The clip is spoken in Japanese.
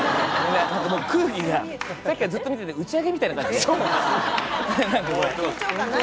空気がさっきからずっと見てて打ち上げみたいな感じで。